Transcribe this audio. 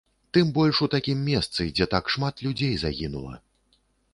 Тым больш у такім месцы, дзе так шмат людзей загінула.